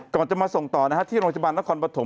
ก่อนจะมาส่งต่อนะฮะที่โรงพยาบาลนครปฐม